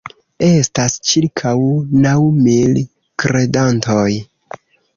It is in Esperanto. Estas ĉirkaŭ naŭ mil kredantoj.